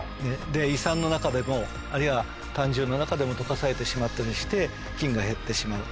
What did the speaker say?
胃酸の中でもあるいは胆汁の中でも溶かされてしまったりして菌が減ってしまう。